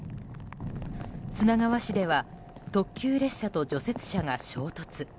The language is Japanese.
砂川市では特急列車と除雪車が衝突。